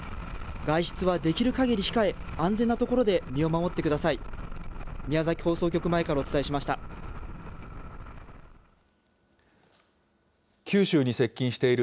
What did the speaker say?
外出はできるかぎり控え、安全な所で身を守ってください。